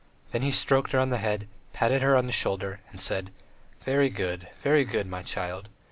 Then he stroked her on the head, patted her on the shoulder and said: "Very good, very good, my child.